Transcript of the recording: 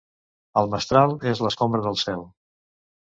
El mestral és l'escombra del cel.